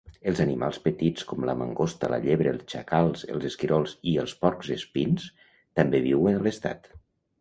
Els animals petits com la mangosta, la llebre, els xacals, els esquirols i els porcs espins també viuen a l'Estat.